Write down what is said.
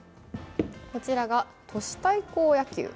こちらが都市対抗野球。